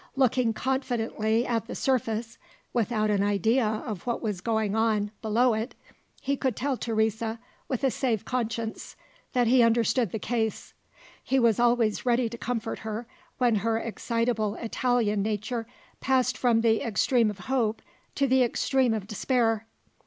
Looking confidently at the surface without an idea of what was going on below it he could tell Teresa, with a safe conscience, that he understood the case. He was always ready to comfort her, when her excitable Italian nature passed from the extreme of hope to the extreme of despair.